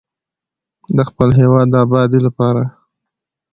د خپل هیواد د ابادۍ لپاره.